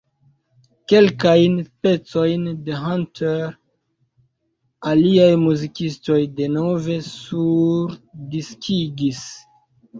Kelkajn pecojn de Hunter aliaj muzikistoj denove surdiskigis.